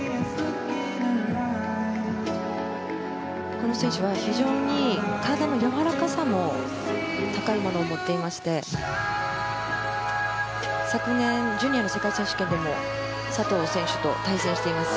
この選手は体のやわらかさも高いものを持っていて昨年、ジュニアの世界選手権でも佐藤選手と対戦しています。